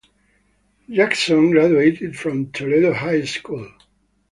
Jackson graduated from Toledo High School.